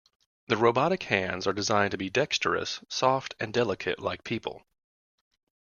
The robotic hands are designed to be dexterous, soft and delicate like people.